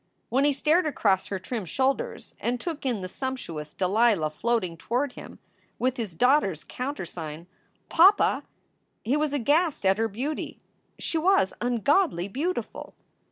When he stared across her trim shoulders and took in "the sumptuous Delilah floating" toward him with his daughter s countersign, "Poppa!" he was aghast at her beauty. She was ungodly beautiful.